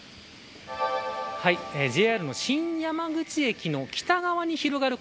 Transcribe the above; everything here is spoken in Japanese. ＪＲの新山口駅の北側に広がる